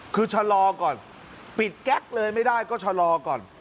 คือชะลอก่อนปิดแก๊กเลยไม่ได้ก็ชะลอก่อน